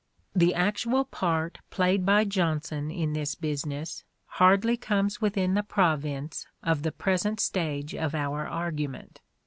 The actual part played by Jonson in this business hardly comes within the province of the present stage of our argument.